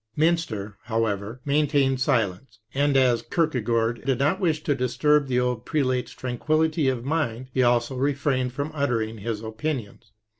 Mynster, however, maintained silence, and as Kierkegaard did not wish to dis turb the old prelate's tranquillity of mind he also refrained from uttering his opinicms.